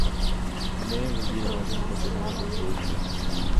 نئے وزیر اعظم کا چنائو درپیش ہے۔